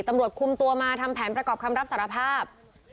ตำรวจคุมตัวมาทำแผนประกอบคำรับสารภาพ